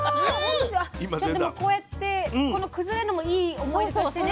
ちょっとでもこうやってこの崩れるのもいい思い出としてね。